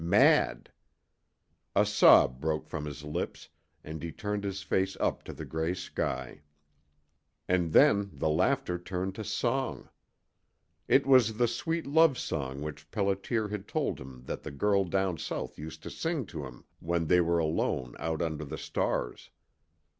Mad! A sob broke from his lips, and he turned his face up to the gray sky. And then the laughter turned to song. It was the sweet love song which Pelliter had told him that the girl down south used to sing to him when they were alone out under the stars.